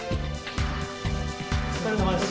お疲れさまです。